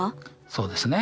そうですね。